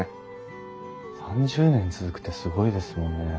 ３０年続くってすごいですもんね。